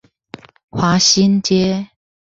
華新街